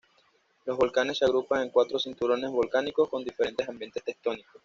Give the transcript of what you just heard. Los volcanes se agrupan en cuatro cinturones volcánicos con diferentes ambientes tectónicos.